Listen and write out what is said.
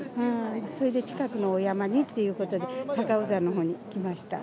それで近くの山にっていうことで、高尾山のほうに来ました。